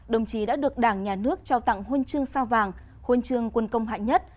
đồng chí đã được đảng nhà nước trao tặng huân chương sao vàng huân chương quân công hạng nhất